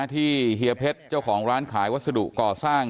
เฮียเพชรเจ้าของร้านขายวัสดุก่อสร้าง